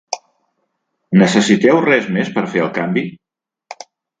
Necessiteu res més per fer el canvi?